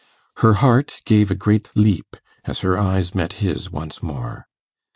Her heart gave a great leap, as her eyes met his once more.